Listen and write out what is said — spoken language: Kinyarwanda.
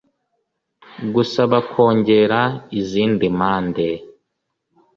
gusaba kongera izindi mpande